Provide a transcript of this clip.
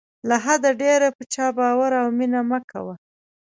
له حده ډېر په چا باور او مینه مه کوه.